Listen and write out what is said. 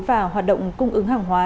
và hoạt động cung ứng hàng hóa